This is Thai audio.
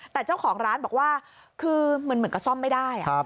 แต่เจ้าของร้านบอกว่าคือเหมือนกับซ่อมไม่ได้